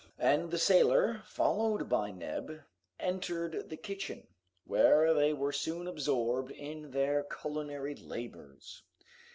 And the sailor, followed by Neb, entered the kitchen, where they were soon absorbed in their culinary labors.